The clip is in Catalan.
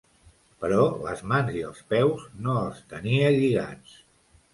Però les mans i els peus no els tenia lligats.